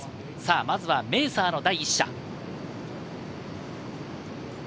まずはメーサーの第１射。